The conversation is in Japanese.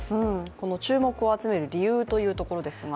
この注目を集める理由というところですが。